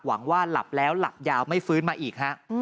หวังว่าหลับแล้วหลับยาวไม่ฟื้นมาอีกฮะ